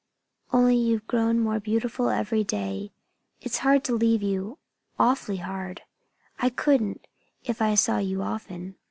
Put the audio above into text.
"Only you've grown more beautiful every day. It's hard to leave you awfully hard. I couldn't, if I saw you often."